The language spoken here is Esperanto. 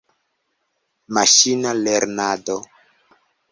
Maŝina lernado.